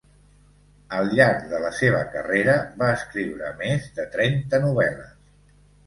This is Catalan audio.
Al llarg de la seva carrera va escriure més de trenta novel·les.